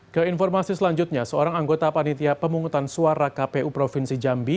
ke informasi selanjutnya seorang anggota panitia pemungutan suara kpu provinsi jambi